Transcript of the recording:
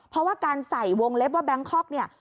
เพราะว่าการใส่วงเล็บว่าแบงคอกเนี่ย